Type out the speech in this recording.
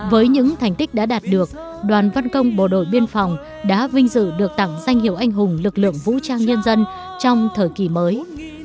với những thành tích đã đạt được đoàn văn công bộ đội biên phòng đã vinh dự được tặng danh hiệu anh hùng lực lượng vũ trang nhân dân trong thời kỳ mới